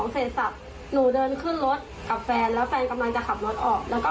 ผมอยู่ก็ลงมาซื้อของเสร็จสับ